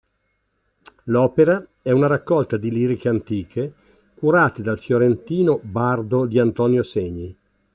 L'opera è una raccolta di liriche antiche curata dal fiorentino Bardo di Antonio Segni.